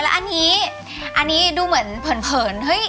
แล้วอันนี้อันนี้ดูเหมือนเผินเฮ้ย